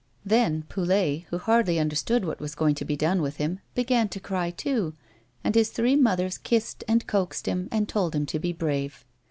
Then Poulet, who hardly understood what was going to be done with him, began to cry too, and his three mothers kissed and coaxed him and told him to be brave.